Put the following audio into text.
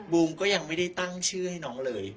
บูมก็ยังไม่ได้ตั้งชื่อให้น้องเลย